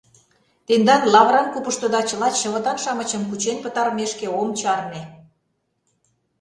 — Тендан лавыран купыштыда чыла чывытан-шамычым кучен пытарымешке ом чарне...